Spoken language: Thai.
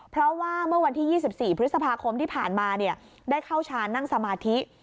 เพราะว่าเมื่อวันที่๒๔พฤษภาคมที่ผ่านมาได้เข้าชานนั่งสมาธิ